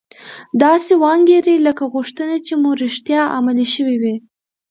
داسې و انګیرئ لکه غوښتنې چې مو رښتیا عملي شوې وي